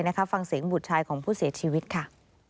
ฟังเสียงบุตรชายของผู้เสียชีวิตค่ะ